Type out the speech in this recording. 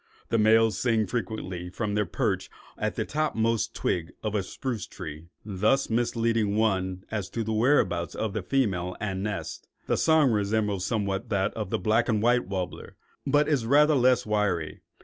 The males sing frequently from their perch on the topmost twig of a spruce tree, thus misleading one as to the whereabouts of the female and nest. The song resembles somewhat that of the black and white warbler, but is rather less wiry.